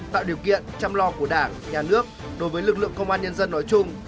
tạo điều kiện chăm lo của đảng nhà nước đối với lực lượng công an nhân dân nói chung